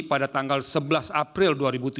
pada tanggal sebelas april dua ribu tujuh belas